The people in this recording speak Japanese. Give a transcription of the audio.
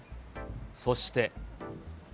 そして。